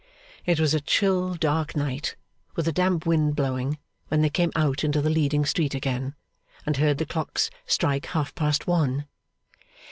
It was a chill dark night, with a damp wind blowing, when they came out into the leading street again, and heard the clocks strike half past one.